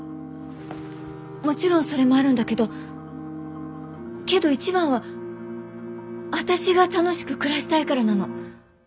もちろんそれもあるんだけどけど一番は私が楽しく暮らしたいからなの。